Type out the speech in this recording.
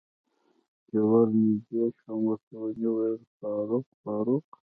چې ور نږدې شوم ورته مې وویل: فاروق، فاروق.